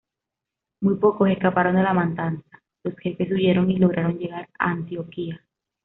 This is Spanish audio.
Muy pocos escaparon de la matanza; los jefes huyeron y lograron llegar a Antioquía.